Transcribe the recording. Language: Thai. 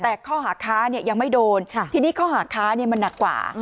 แต่เขาหาค้าเนี่ยยังไม่โดนทีนี้เขาหาค้าเนี่ยมันหนักกว่า